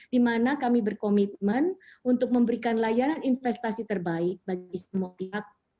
di mana kami berkomitmen untuk memberikan layanan investasi terbaik bagi semua pihak